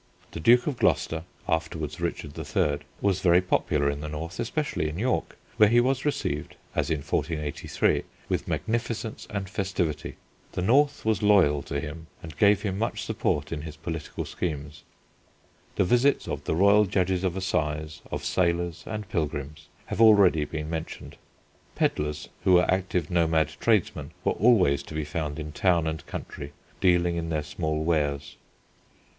The Duke of Gloucester, afterwards Richard III., was very popular in the North, especially in York, where he was received (as in 1483) with magnificence and festivity. The north was loyal to him and gave him much support in his political schemes. The visits of the royal judges of assize, of sailors and pilgrims, have already been mentioned. Pedlars, who were active nomad tradesmen, were always to be found in town and country dealing in their small wares.